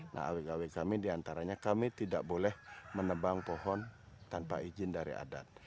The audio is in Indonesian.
nah awk aw kami diantaranya kami tidak boleh menebang pohon tanpa izin dari adat